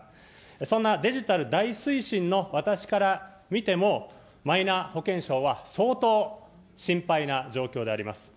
そんなデジタル大推進の私から見ても、マイナ保険証は相当、心配な状況であります。